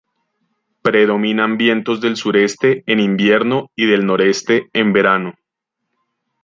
Predominan vientos del sureste en invierno y del noroeste en verano.